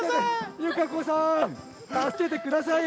友香子さん、助けてくださいよ。